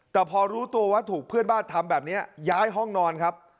แต่พอรู้ตัวว่าถูกเพื่อนบ้านทำแบบนี้ย้ายห้องนอนครับ